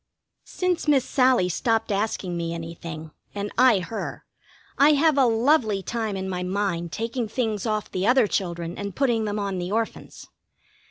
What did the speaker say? Since Miss Sallie stopped asking me anything, and I her, I have a lovely time in my mind taking things off the other children and putting them on the Orphans.